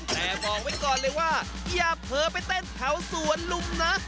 แต่บอกไว้ก่อนเลยว่าอย่าเผลอไปเต้นแถวสวนลุมนะ